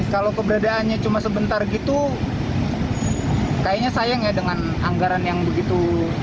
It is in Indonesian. kalau keberadaannya cuma sebentar gitu kayaknya sayang ya dengan anggaran yang begitu